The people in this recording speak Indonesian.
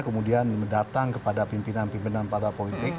kemudian mendatang kepada pimpinan pimpinan partai politik